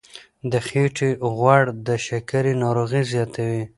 د خېټې غوړ د شکرې ناروغي زیاتوي.